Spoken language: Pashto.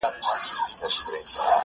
ورته وخاندم او وروسته په ژړا سم؛